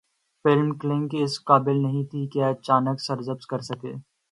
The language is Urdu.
فلم کلنک اس قابل نہیں تھی کہ اچھا بزنس کرسکے